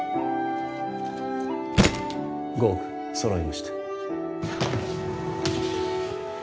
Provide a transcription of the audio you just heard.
５億揃いました